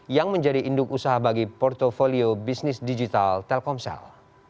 yang menjadi induk usaha bagi portfolio bisnis digital telkomsel